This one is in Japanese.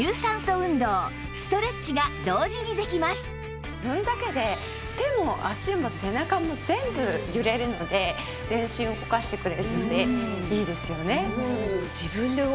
全身ののるだけで手も足も背中も全部揺れるので全身を動かしてくれるのでいいですよね。